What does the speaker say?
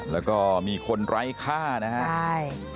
แล้วก็มีคนไร้ค่านะครับใช่